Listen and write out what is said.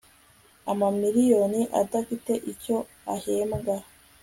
amamiriyoni adafite icyo ahembwa